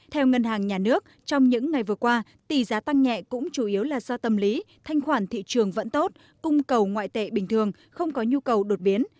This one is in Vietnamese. theo ngân hàng nhà nước trong những ngày vừa qua tỷ giá tăng nhẹ cũng chủ yếu là do tâm lý thanh khoản thị trường vẫn tốt cung cầu ngoại tệ bình thường không có nhu cầu đột biến